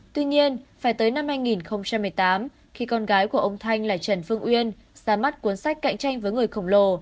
tuy nhiên phải tới năm hai nghìn một mươi tám khi con gái của ông thanh là trần phương uyên ra mắt cuốn sách cạnh tranh với người khổng lồ